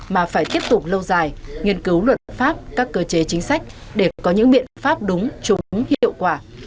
mà phải tiếp tục lâu dài nghiên cứu luật pháp các cơ chế chính sách để có những biện pháp đúng trúng hiệu quả